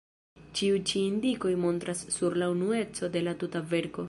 Ĉiu ĉi indikoj montras sur la unueco de la tuta verko.